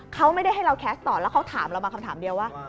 เขาไม่ได้ให้เราแคสต์ต่อแล้วเขาถามเรามาคำถามเดียวว่า